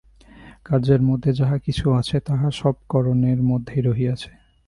কার্যের মধ্যে যাহা কিছু আছে, তাহা সবই কারণের মধ্যে রহিয়াছে।